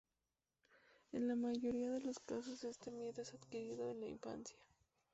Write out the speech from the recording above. En la mayoría de los casos este miedo es adquirido en la infancia.